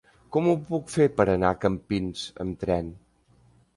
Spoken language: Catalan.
Com ho puc fer per anar a Campins amb tren?